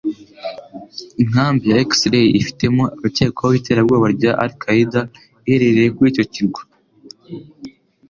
Inkambi ya X-Ray, ifitemo abakekwaho iterabwoba rya Al-Qaeda iherereye kuri icyo kirwa